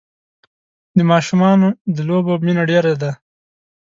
د ماشومان د لوبو مینه ډېره ده.